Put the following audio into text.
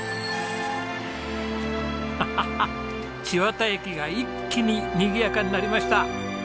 ハハハ千綿駅が一気ににぎやかになりました！